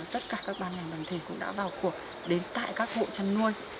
tất cả các ban ngành đoàn thể cũng đã vào cuộc đến tại các hộ chăn nuôi